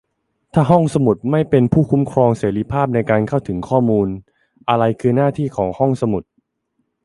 ถ้าห้องสมุดไม่เป็นผู้คุ้มครองเสรีภาพในการเข้าถึงข้อมูล อะไรคือหน้าที่ของห้องสมุด ?